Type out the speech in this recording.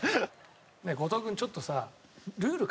ねえ後藤君ちょっとさ。